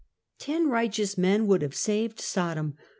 Ten righteous men would have saved Sodom.